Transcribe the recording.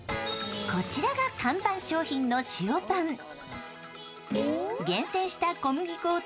こちらが看板商品の塩パン。